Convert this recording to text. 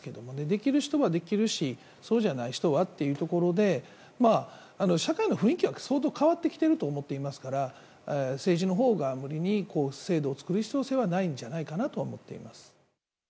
できる人はできるしそうじゃない人はというところで社会の雰囲気は相当変わってきていると思ってますから政治のほうで制度を作る必要性はないんじゃないかなと思っています。